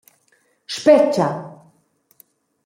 Spetga!